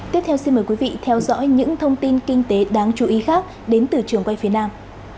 tiếp theo xin mời quý vị theo dõi những thông tin kinh tế đáng chú ý khác đến từ trường quay phía nam